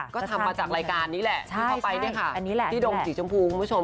ก็ทำมาจากรายการนี้แหละที่เข้าไปเนี่ยค่ะพี่ดงสีชมพูคุณผู้ชม